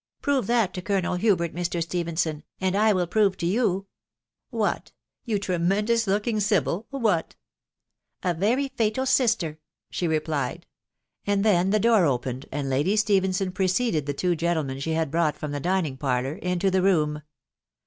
* prove that to Colonel Hubert, Mr. Stephenson, and I will prove to you ...."" What ?— you tremendous looking sibyl ! what ?"" A very fated sister !" she replied ; and then the door opened, and Lady Stephenson preceded die two gentlemen she had brought from the dining.parlour into the room.